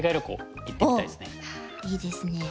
いいですね。